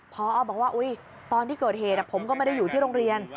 พอบอกว่าตอนที่เกิดเหตุผมก็ไม่ได้อยู่ที่โรงเรียน